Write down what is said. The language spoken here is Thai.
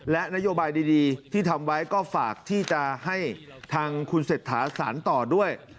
และนโยบายดีที่ทำไว้ก็ฝากที่จะให้ทางคุณเศรษฐาสารต่อด้วย